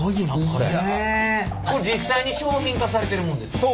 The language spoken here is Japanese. これ実際に商品化されてるもんですか？